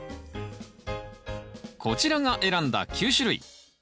こちらが選んだ９種類。